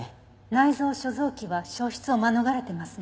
内臓諸臓器は焼失を免れてますね。